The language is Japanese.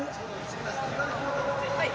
はい。